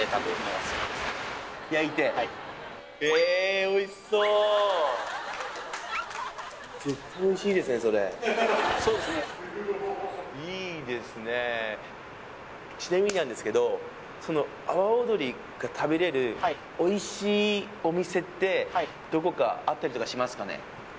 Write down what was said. はいへえちなみになんですけどその阿波尾鶏が食べれるおいしいお店ってどこかあったりとかしますかね？